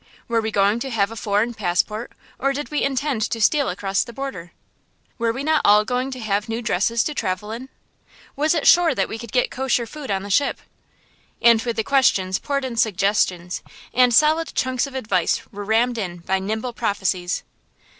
Were we going to have a foreign passport or did we intend to steal across the border? Were we not all going to have new dresses to travel in? Was it sure that we could get koscher food on the ship? And with the questions poured in suggestions, and solid chunks of advice were rammed in by nimble prophecies.